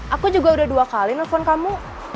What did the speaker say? aku juga udah dua kali nelfon kamu